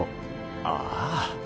ああ。